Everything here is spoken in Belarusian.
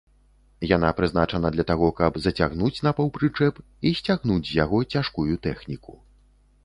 Яна прызначана для таго, каб зацягнуць на паўпрычэп і сцягнуць з яго цяжкую тэхніку.